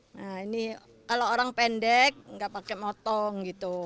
nah ini kalau orang pendek nggak pakai motong gitu